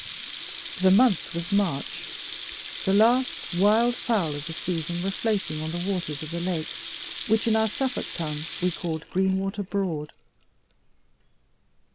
The month was March. The last wild fowl of the season were floating on the waters of the lake which, in our Suffolk tongue, we called Greenwater Broad.